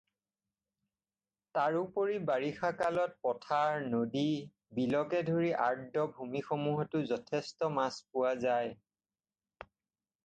তাৰোপৰি বাৰিষা কালত পথাৰ, নদী, বিলকে ধৰি আদ্ৰ-ভূমিসমূহতো যথেষ্ট মাছ পোৱা যায়।